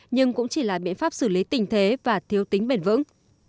nhưng cũng chỉ là biện pháp xử lý tình thế và thiếu tính bền vững